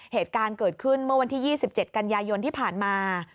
เหตุการณ์เกิดขึ้นเมื่อวันที่๒๗กันยายนที่ผ่านมา